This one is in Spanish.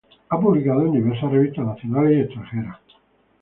Ha publicado en diversas revistas nacionales y extranjeras.